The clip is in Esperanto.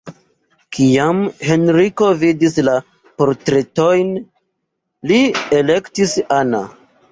Kiam Henriko vidis la portretojn, li elektis Anna.